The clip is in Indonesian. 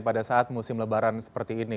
pada saat musim lebaran seperti ini